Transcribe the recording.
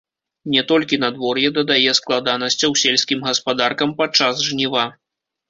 Не толькі надвор'е дадае складанасцяў сельскім гаспадаркам падчас жніва.